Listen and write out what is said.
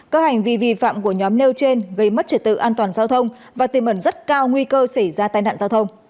các hành vi vi phạm của nhóm nêu trên gây mất trật tự an toàn giao thông và tiềm ẩn rất cao nguy cơ xảy ra tai nạn giao thông